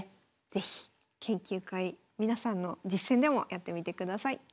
是非研究会皆さんの実戦でもやってみてください。